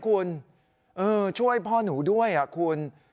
คุณช่วยพ่อหนูด้วยคุณ